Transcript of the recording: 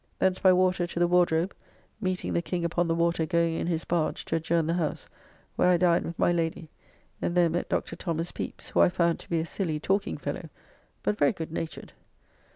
Thence by water to the Wardrobe (meeting the King upon the water going in his barge to adjourn the House) where I dined with my Lady, and there met Dr. Thomas Pepys, who I found to be a silly talking fellow, but very good natured.